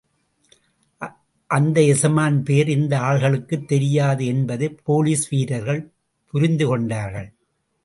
அந்த எசமான் பெயர் இந்த ஆள்களுக்குத் தெரியாது என்பதைப் போலீஸ் வீரர்கள் புரிந்துகொண்டார்கள்.